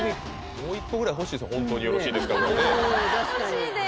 もう一個ぐらい欲しいです「本当によろしいですか？」ぐらい欲しいです